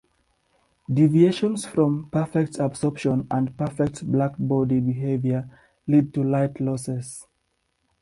Deviations from perfect absorption and perfect black body behavior lead to light losses.